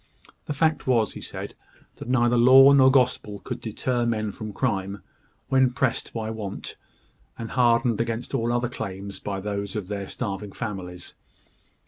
The fact was, he said, that neither law nor gospel could deter men from crime, when pressed by want, and hardened against all other claims by those of their starving families.